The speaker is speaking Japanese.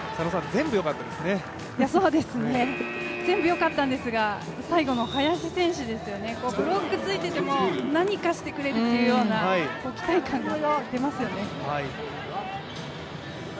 全部よかったんですが最後の林選手ですよね、ブロックついてても何かしてくれるっていうような期待感が出ますよね。